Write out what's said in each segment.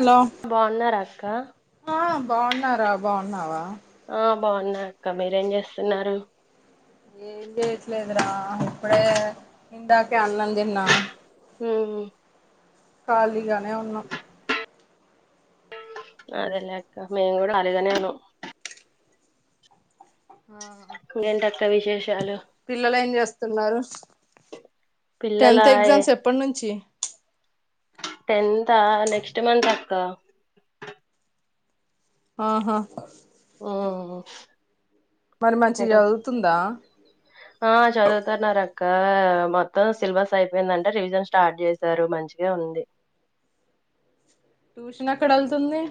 Hello బాగున్నార అక్క ఆ బాగున్నారా బాగున్నావా ఆ బాగున్నా అక్క మీరేం చేస్తున్నారు ఏం చేయట్లేదురా ఇప్పుడే ఇంధ కే అన్నం దిన్నా ఉమ్ కాలీ గ నే ఉన్నం అదేలక్క మేమ్ కూడా ఖాళీగానే ఉన్నం ఆ ఇంకేంటక్క విశేషాలు పిల్లలు ఏం చేస్తున్నారు పిల్లల టెన్త్ ఎగ్జామ్స్ ఎప్పటి నుంచి టెన్ అ నెక్స్ట్ మంత్ అక్క ఆహా హ్ మరి మంచిగా చదువుతుందా ఇంకా మొత్తం సేలబస్ అయిపోయిందంట రివిజన్ స్టార్ట్ చేశారు. మంచిగానే ఉంది ట్యూషన్ ఏక్కడ ఏళ్తుంది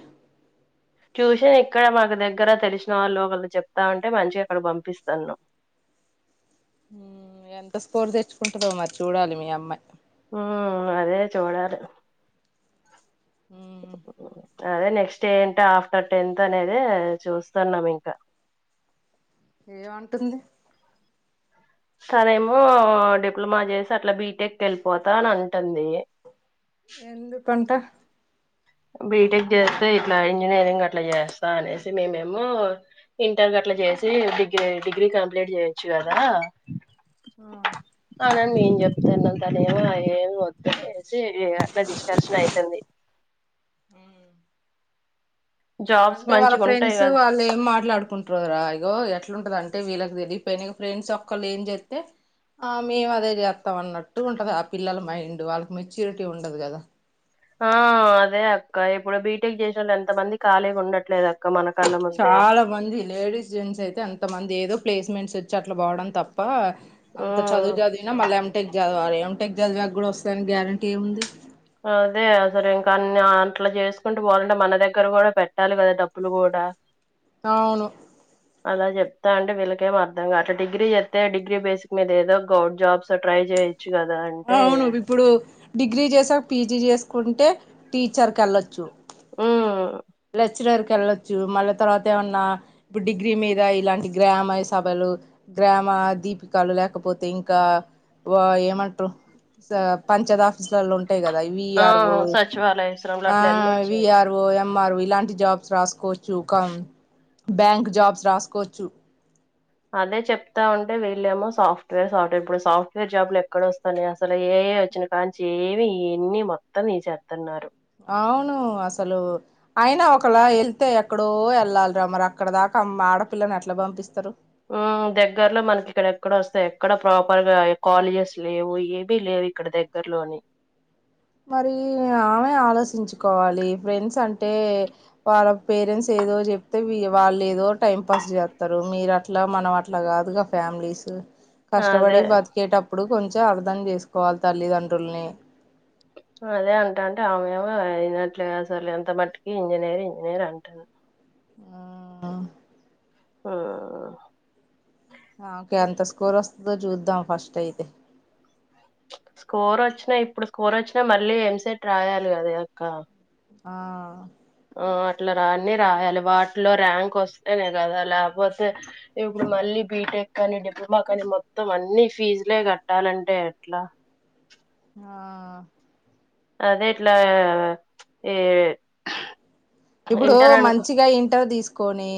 ట్యూషన్ ఇక్కడ మాకు దగ్గర తెలిసిన వాళ్ళు ఒకళ్ళు చెప్తా ఉంటే మంచిగా అక్కడ పంపిస్తన్నాం. హూ ఎంత స్కోర్ తెచ్చుకుంటదో మరి చూడాలి మీ అమ్మాయి ఉ అదే చూడాలె మ్మ్, అదే నెక్స్ట్ ఏంట ఆఫ్టర్ టెన్త్ అనేది చూస్తున్నాం. ఇంకా ఏమంటుంది ఓసరేమో డిప్లొమా చేసి అట్లా బీటెక్ వెళ్ళిపోతా అని అంటుంది. ఎందుకు అంట బీటెక్ చేస్తే ఇట్లా ఇంజనీరింగ్ అట్లా చేస్తా అనేసి మేమేమో ఇంటర్ గట్లా చేసి డిగ్రీ డిగ్రీ కంప్లీట్ చేయొచ్చు గాదా ఆ అవునండి ఏం చెప్తన్నాన్ ఏమి ఏమి వద్దు ఆ ఈ అట్లా డిష్కర్షన్ అయి తంది ఊ జాబ్స్ అంటే వాళ్ళ మంచిగా ఉంటాయి ఫ్రెండ్స్ కదా వాళ్ళు ఏం మాట్లాడుకుంటారు రా ఇగో ఎట్లుండదంటే అంటే వీళ్ళకి తెలిక పైన ఫ్రెండ్స్ ఒక్కళ్ళ ఏం చెప్తే ఆ మేము అదే చేస్తాం అన్నట్టు ఉంటది ఆ పిల్లల మైండ్ వాళ్ళకి మెచ్యూరిటీ ఉండదు కదా ఆ అదే అక్క ఇప్పుడు బీటెక్ చేసిన వాళ్ళు ఎంత మంది ఖాళీగా ఉండట్లేదు అక్క మన కళ్ళ ముందే చాలా మంది లేడీస్ జెంట్స్ అయితే అంత మంది ఏదో ప్లేస్మెంట్స్ ఇట్లొచ్చి అట్లా పోవడం తప్ప అంత మ్మ్ చదువు చదివిన మళ్ళీ మ్ టెక్ చదవ సారే ఏం టెక్ చదివాకూడా వస్తాని గ్యారెంటీ ఏముంది. అదే అసలు ఇంకా అన్ని అంట్లా చేసుకుంటూ పోవాలంటే మన దగ్గర కూడా పెట్టాలి కదా డబ్బులు కూడా అవును అలా చెప్తా అంటవీళ్ళకేం అర్ధంగా అలా డిగ్రీ చెత్తే డిగ్రీ బేసిక్ మీద ఏదో గర్ జాబ్స్ ట్రై చేయొచ్చు. కదా అంటే అవును ఇప్పుడు డిగ్రీ చేసాక్ పీజీ చేసుకుంటే టీచర్ కెళ్ళొచ్చు. ఆ లెక్చరర్కి వెళ్ళొచ్చు మళ్ళీ తర్వాత ఏమన్నా ఇప్పుడు డిగ్రీ మీద ఇలాంటి గ్రామ సభలు గ్రామ దీపికలు లేకపోతే ఇంకా ఏమంటారు పంచదా ఆపీసు ఉంటాయి కదా వి ఆ ఆర్ ఓ, సచివాలయ శ్రమలో ఆ అట్లా వెళ్ళొచ్చు V R O, M R O M R O ఇలాంటి జాబ్స్ రాసుకోవచ్చు ఒక బ్యాంక్ జాబ్స్ రాసుకోవచ్చు. అదే చెప్తా ఉంటే విల్లేమో సాఫ్ట్వేర్ సాఫ్ట్వేర్ ఇప్పుడు సాఫ్ట్వేర్ జాబ్లు ఎక్కడ వస్తాన్నయి అసలు ఏ ఏ వచ్చినా కానీ ఏమి ఎన్ని మొత్తం తీసేస్తున్నారు. అవును అసలు అయినా ఒకలా వెళ్తే ఎక్కడో వెళ్ళాలిరా మరి అక్కడ దాకా ఆడపిల్లని ఎట్లా పంపిస్తారు. ఊ దగ్గరలో మనకి ఇక్కడ ఎక్కడ వస్తా ఎక్కడ ప్రాపర్గా కాలేజెస్ లేవు ఏవి లేవు ఇక్కడ దగ్గర్లో అని మరి ఆమె ఆలోచించుకోవాలి ఫ్రెండ్స్ అంటే వాళ్ళ పేరెంట్స్ ఏదో చెప్తే వాళ్ళు ఏదో టైం పాస్ చేస్తారు మీరు అట్లా మనం అట్లా కాదుగా ఫ్యామిలీసు అదే కష్టపడి బతికేటప్పుడు కొంచెం అర్థం చేసుకోవాలి తల్లిదండ్రుల్ని అదే అంటాంటే ఆమె ఏమ అయినట్లుగా అసలు ఎంత మట్టికి ఇంజనీర్ ఇంజనీర్ అంటుంది. ఆ ఆ ఓకే అంత స్కోర్ వస్త చ్చుద్దో చూద్దాం ఫస్ట్ అయితె స్కోర్ వచ్చినా ఇప్పుడు స్కోర్ వచ్చినా మళ్ళీ ఎంసెట్ రాయాలి కదా అక్క ఆ ఆ అట్లా రాన్న రాయాలి వాటిలో ర్యాంక్ వస్తేనే కదా లేకపోతే ఇప్పుడు మళ్ళీ బీటెక్ కానీ డిప్లొమా కానీ మొత్తం అన్ని ఫీజులే కట్టాలంటే ఎట్లా ఆ అదే ఇట్లా ఈ ఇప్పుడూ మంచిగా ఇంటర్ తీసుకు కొనీ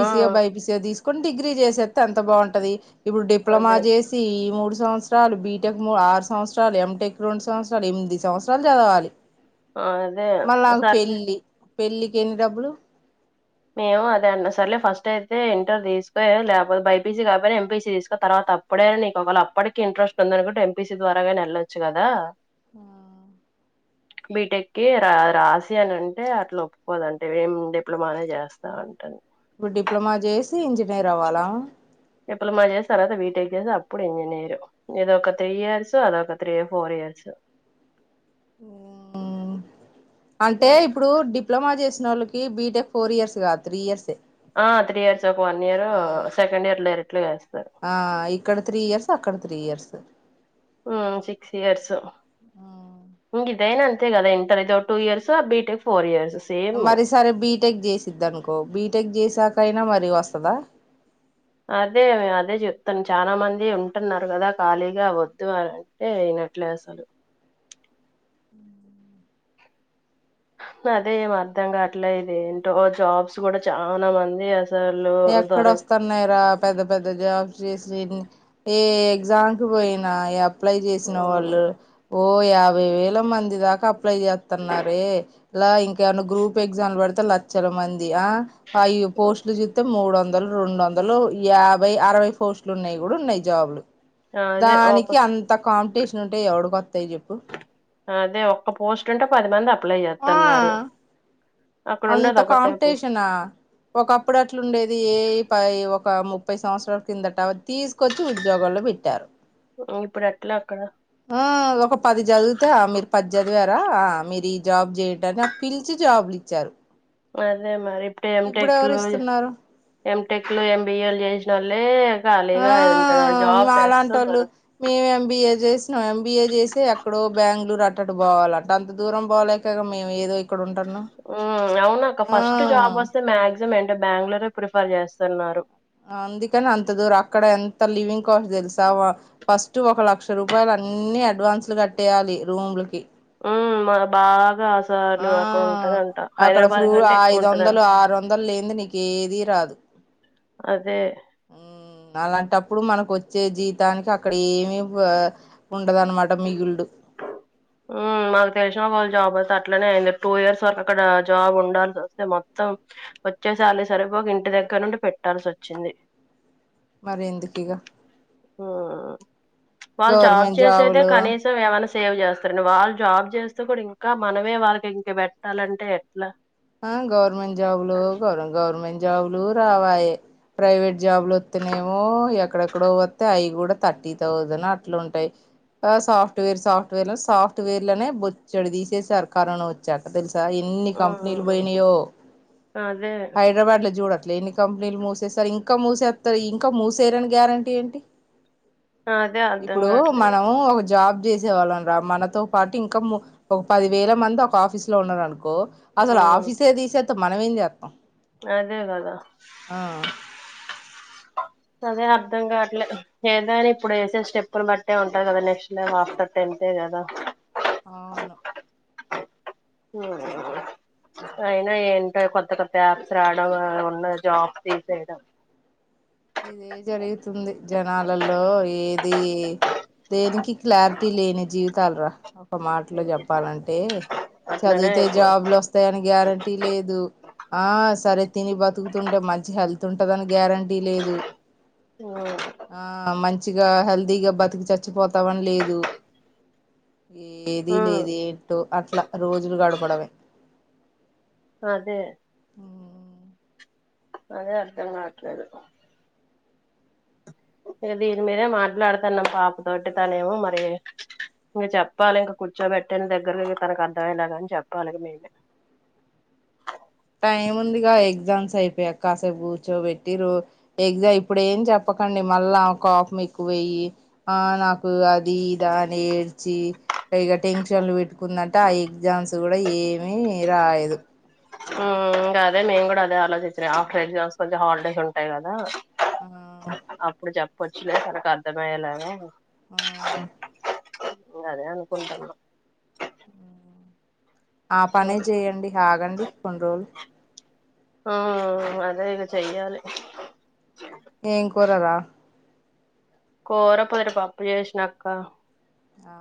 ఆ ఓ బైపిసీ ఓ తీసు కొని డిగ్రీ చేసేస్త అంత బాగుంటదీ. ఇప్పుడు డిప్లొమా అదే జేసీ ఈ మూడు సంవత్సరాలు బీటెక్ ఆరు సంవత్సరాలు ఎంటెక్ రెండు సంవత్సరాలు ఎనిమిది సంవత్సరాలు చదవాలి. ఆ అదే సర్లే పెళ్లికి ఎన్ని డబ్బులు మేము అదే అన్న సరేలే ఫస్ట్ అయితే ఇంటర్ తీసుకో లేకపోతే బైపీసీ కాకపోయిన ఎంపీసీ తీసుకో తర్వాత అప్పుడైన నీకు ఒకవేళ అప్పటికీ ఇంట్రెస్ట్ ఉంది అనుకుంటే ఎంపీసీ ద్వారాగానీ వెళ్లొచ్చు గదా ఆ బీటెక్కిి రా రాసియని అంటే అట్లా ఒప్పుకోదంట ఏం డిప్లొమానే చేస్త చేస్తా అంటుంది ఇప్పుడు డిప్లొమా జేసి ఇంజనీర్ అవ్వాలా డిప్లొమా చేసి తర్వాత బీటెక్ చేస్తే అప్పుడు ఇంజనీరు ఇదొక త్రీ ఇయర్స్ అదొక త్రీ ఫోర్ ఇయర్స్ హ్మ్ అంటే ఇప్పుడూ డిప్లొమా చేసి నోళ్ళకి బీటెక్ ఫోర్ ఇయర్స్ గాదు త్రీ ఇయర్స్ఏ ఆ త్రీ ఇయర్స్ ఒక వన్ ఇయర్ సెకండ్ ఇయర్ లేదు ఇట్ల చేస్ ఆ ఇక్కడ త్రీ ఇయర్స్ అక్కడ త్రీ ఇయర్సు హ్మ్ సిక్స్ ఇయర్స్ ఇంక ఇదైనా అంతే కదా ఇంటర్ ఇదో టూ ఇయర్స్ ఆ బీటెక్ ఫోర్ ఇయర్స్ సేమ్ మరీసారి బీటెక్ చేసిద్ది అనుకో బీటెక్ చేసాక కైనా మరీ వస్తదా అదే అదే చెప్తున్ చాలా మంది ఉంటున్నారు కదా ఖాళీగా వద్దు అని అంటే అయినట్లే అసలు అదే ఏం అర్ధంగాట్లే ఇది ఏంటో జాబ్స్ కూడా చానా మంది అస ఎక్కడ వస్తన్నాయి రా పెద్ద పెద్ద జాబ్స్ చేసి ఏ ఎగ్జామ్కి పోయినా ఎప్ అప్లై చేసిన వాళ్ళు ఉమ్. ఒ ఓ యాభై వేల మంది దాకా అప్లై చేస్తన్నారే ఇలా ఇంకేమన్న గ్రూప్ ఎగ్జామ్లు పడితే లక్షల మందీ ఆ పైయి పోస్ట్లు చూస్ మూడు వందలు రెండు వందలూ యాభై అరవై పోస్టులు ఉన్నయి కూడా ఉన్నయి జాబ్లు అదే ఒక దానికి అంత కాం టీషన్ ఉంటే ఏవడు కొ అదే ఒక్క పోస్ట్ ఉంటే పది మంది అప్ అప్లై చేత్తన్నారు ఆ అంత కాంపిటీషనా ఒకప్పుడు అట్లుండేది ఏ పై ఒక ము ముప్పై సంవత్సరాల కిందట అ తీసుకొచ్చి ఉద్యోగాల్లో పెట్టారు ఇప్పుడు ఎట్లా అక్కడ ఆ ఒక పది చదివితే ఆ మీరు పది చదివారా ఆ మీరు ఈ జాబ్ చేయట అని ఆ పిలిచి జాబ్లు ఇచ్చారు అదే మరి టె ఇప్పుడు ఎవరు ఎంటెక్లో ఇస్తున్నారు ఎంటెక్లో ఎం బి యల్ చేసినొల్లె ఆ దొరకవు మాలాాంటోళ్ళు మేమేం యం బి ఏ చేసి చేసినం ఎంబీఏ చేస్తూ ఎక్కడో బెంగళూరు అట్టటు పోవాలంట అంత దూరం పోలేక మేము ఏదో ఇక్కడ ఉంటున్నాం ఊ అవును అక్క ఫస్ట్ జాబ్ అవును వస్తే మాక్సిమం ఎన్ బెంగళూరే ఆ ప్రిఫర్ చేస్తున్నారు. అందుకనే అంత దూర అక్కడ ఎంత లివింగ్ కాస్ట్ తెలుసా ఫస్ట్ ఒక లక్ష రూపాయలు అన్ని అడ్వాన్స్లు కట్టేయాలి రూమ్లకి ఊ మన బా ఆ అక్కడ హైదరాబాద్ ఫ్రూ కంటే ఎక్కువ ఐదు వందలు ఉంటదంట ఆరు వందలు లేనిది నీకు అది రాదు అదే ఊ అలాంటప్పుడు మనకు వచ్చే జీతానికి అక్కడ ఏమీ ఉండదన్నమాట మిగులుడు ఊ మాకు తెలిసిన వాలు జాబ్ అసస్తే అట్లనే అయింది టూ ఇయర్స్ వరకు అక్కడ జాబ్ ఉండాల్సి వస్తే మొత్తం వచ్చే సాలరీ సరిపోక ఇంటి దగ్గర నుండి పెట్టాల్సి వచ్చింది. మరి ఎందుకు ఇక ఊ వాళ్ళు జాబ్ గవర్నమెంట్ చేసేదే జాబులు కనీసం ఏమైనా సేవ్ చేస్త మన వాళ్ళు జాబ్ చేస్తూ కూడా ఇంకా మనమే వాళ్ళకి ఇంక పెట్టాలంటే ఎట్లా ఆ గవర్నమెంట్ జాబ్ లో గవర్ గవర్నమెంట్ జాబులు రావాయే ప్రైవేట్ జాబులు వస్తనేమో ఎక్కడెక్కడో వస్తే అయి కూడా థర్టీ థౌసండ్ అట్లాంటుయి సాఫ్ట్వేర్ సాఫ్ట్వేర్లు సాఫ్ట్వేర్ నే బొచ్చడి తీసేసారు కరోనా వచ్చాక తెలుస ఆ ఎన్ని కంప్ మ్మ్ నిల్బనియో అదే హైదరాబాద్ లో చూడట్లే ఎన్ని కంపెనీలు మూసేస్తారు ఇంకా ముసేత్తారు ఇంకా మూసేయారని గ్యారంటీ ఏంటి అదే అర్ధం ఇప్పుడు కావట్లేదు మనం ఒక జాబ్ చేసేవాళ్ళన రా మనతో పాటు ఇంకా మీ ఒక పది వేల మంది ఒక ఆఫీస్ లో ఉన్నారు అనుకో అసలు మ్మ్ ఆఫీసే తీసత్త్ మనము ఏం చేత్తము. అదే కదా అదే అర్ధం కావట్ల ఏదా అని ఇప్పుడు వేసే స్టెప్పులు బట్టే ఉంటాది కదా నెక్ట్ ఆఫ్టర్ టెన్త్ే కదా ఆ అవును హమ్ అయినా ఏంటో కొత్త కొత్త యాప్స్ రావడం ఉన్న జాబ్స్ తీసేయడం. ఇదే జరుగితుంది జనాలలో ఏది దేనికి క్లారిటీ లేని జీవి తాల్ రా ఒక మాటలో చెప్పాలంటే అట్లనే చదివితే అయిపోదు జాబ్లు వస్తాయని గ్యారెంటీ లేదు ఆ సరే తిని బతుకుతుంటే మంచి హెల్త్ ఉంటదని గ్యారెంటీ ఆ మంచి మంచిగా హెల్దీగా బతికి చచ్చిపోతామని లేదు. ఏది లేదే ఏంటో అట్లా రోజులు గడపడమే అదే అదే అర్ధం కావట్లేదు ఇక దీని మీదే మాట్లాడుతున్నాం పాపతోటి తనేమో మరి ఇంక చెప్పాలి ఇంక కూర్చోబెట్టని దగ్గరకి తనకు అర్థమయ్యేలాగాని చెప్పాలి మేమే టైముందిగా ఎగ్జామ్స్ అయిపోయా కాసేపు కూర్చోబెట్టి రో ఎగ్జామ్ ఇప్పుడు ఏం చెప్పకండి మళ్ళా కోప్మ్ ఎక్కువేయి ఆ నాకు అది ఇదా అని ఏడ్చి పైగా టెన్షన్లు పెట్టుకుందంటే ఆ ఎగ్జామ్స్ కూడా ఏమి రాయదు మ్మ్ ఇగా అదే మేము కూడా అదే ఆలోచించ్నాం ఆఫ్టర్ ఎగ్జామ్స్ కొంచెం హాల్డేస్ ఉంటాయి కదా ఆ పొచ్చిలే తనకి అర్ధమయే లాగ ఆ ఇంగా అదే అనుకుంటనా ఆ పనే చేయండి ఆగండి కొన్ని రోజులు మ్మ్ అదే ఇక చెయ్యాలి ఏం కూరరా కోర పోదేటి పప్పు చేసిన అక్కా ఆ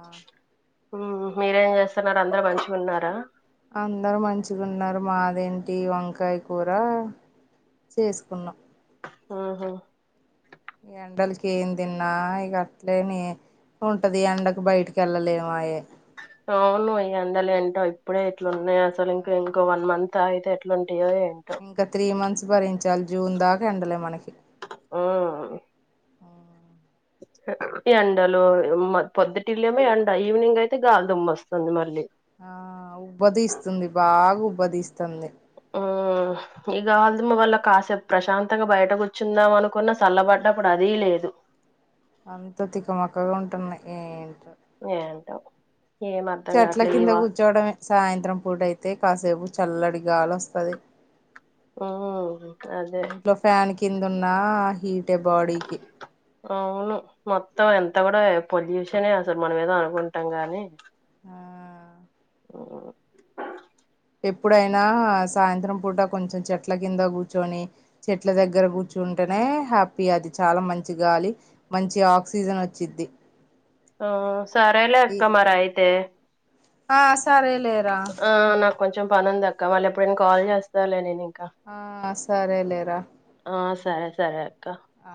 మ్మ్ మ్ మీరేం చేస్తున్నారు అందరు మంచిగా ఉన్నారా అందరు మంచిగా ఉన్నారు మాదేంటి వంకాయ కూర చేసుకున్నాం ఆహా ఈ ఎండలకి ఏం తిన్నా ఇక అట్లేనే ఉంటది ఎండకు బయటికి వెళ్ళలేమాయే అవును ఈ ఎండలెంటో ఇప్పుడే ఎట్లున్నాయో అసలు ఇం ఇంకో వన్ మంత్ ఆగితే ఎట్లున్ ఇంకా త్రీ మంత్స్ భరించ్ [inaudible] జూన్ దాకా ఎండలే మనకి మ్మ్ ఎండలో మల్ పొద్దుటిలేమో ఎండ ఈవినింగ్ అయితే గాలిదుమ్మ వస్తుంది మళ్ళీ ఆ ఉబ్బదిస్తుంది బాగా ఉబ్బదిస్త్ మ్మ్ ఇగ అల్ది మొగ్గొలా కాసేపు ప్రశాంతంగా బయట కూర్చుందాం అనుకున్న చల్లబడ్డప్పుడు అదీ లేదు అంత తిక మక్కగా ఉంటున్నాయి ఏ ఏంటో ఏం అర్థం చెట్ల కావట్లే ఈ కింద వా కూర్చోవడమే సాయంత్రం పూట అయితే కాసేపు తెల్లడిగాలోస్తది మ్మ్ అదే కిందున్నా హీటే బాడీకి అవును మొత్తం ఎంత కూడా పొల్యూషనే అసలు మనం ఏదో అనుకుంటాం గానీ ఆ హ్మ్ ఎప్పుడైనా సాయంత్రం పూట కొంచెం చెట్ల కింద కూర్చొని చెట్ల దగ్గర కూర్చుంటేనే హ్యాపీ అది చాలా మంచి గాలి, మంచి ఆక్సిజన్ వచ్చిద్ది. ఆ సారేలే ఈ అక్క మరైతే ఆ స్ సరేలేరా కొంచెం పనుందక్క మళ్ళీ ఎప్పుడైన కాల్ చేస్తాలే నేను ఇంకా ఆస్ సరేలేరా ఆ సరే సరే అక్క ఆ